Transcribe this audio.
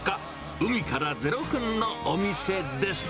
海から０分のお店です。